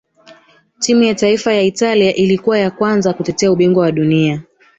timu ya taifa ya italia ilikuwa ya kwanza kutetea ubingwa wa dunia